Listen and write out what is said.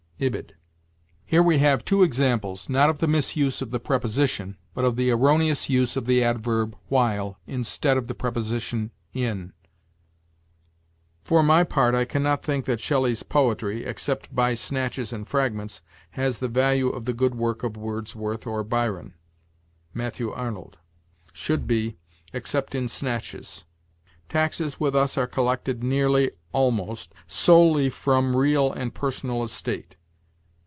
Ibid. Here we have two examples, not of the misuse of the preposition, but of the erroneous use of the adverb while instead of the preposition in. "For my part I can not think that Shelley's poetry, except by snatches and fragments, has the value of the good work of Wordsworth or Byron." Matthew Arnold. Should be, "except in snatches." "Taxes with us are collected nearly [almost] solely from real and personal estate."